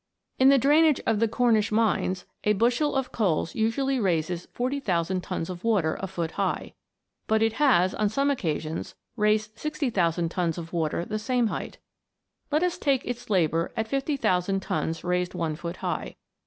In the drainage of the Cornish mines, a bushel of coals usually raises 40,000 tons of water afoot high ; but it has, on some occasions, raised 60,000 tons of water the same height. Let iis take its labour at 50,000 tons raised one foot high.